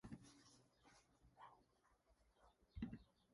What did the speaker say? Anders Erikson Sparrman is denoted by the author abbreviation Sparrm.